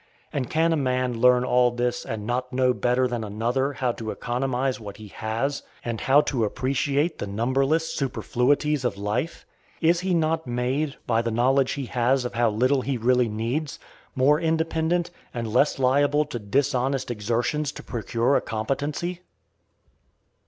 And can a man learn all this and not know better than another how to economize what he has, and how to appreciate the numberless superfluities of life? Is he not made, by the knowledge he has of how little he really needs, more independent and less liable to dishonest exertions to procure a competency?